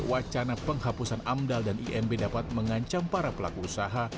wacana penghapusan amdal dan imb dapat mengancam para pelaku usaha